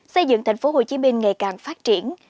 xây dựng thành phố hồ chí minh ngày càng phát triển